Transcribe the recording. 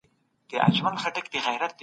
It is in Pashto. د وړتیا د حد قانون تمرکز زیاتوي.